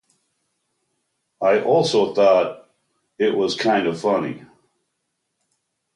I also thought it was kind of funny.